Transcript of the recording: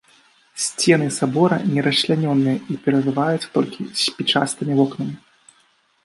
Сцены сабора не расчлянёныя і перарываюцца толькі спічастымі вокнамі.